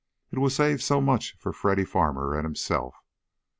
It would save so much for Freddy Farmer and himself.